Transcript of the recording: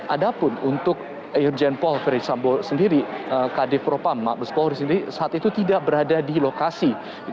ada pun untuk irjen verisampo sendiri kadev propam mak buspohri sendiri saat itu tidak berada di lokasi